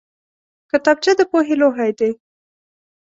کتابچه د پوهې لوښی دی